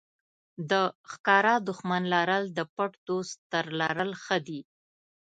د ښکاره دښمن لرل د پټ دوست تر لرل ښه دي.